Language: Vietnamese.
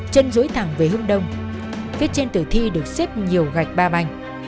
chân dối thẳng về hướng đông phía trên tử thi được xếp nhiều gạch ba bành